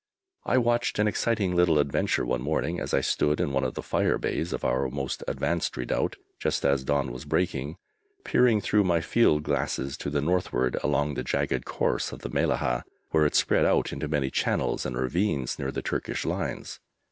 I watched an exciting little adventure one morning as I stood in one of the fire bays of our most advanced redoubt, just as dawn was breaking, peering through my field glasses to the northward, along the jagged course of the Mellahah where it spread out into many channels and ravines near the Turkish lines.